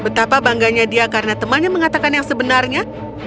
betapa bangganya dia karena temannya mengatakan yang sebenarnya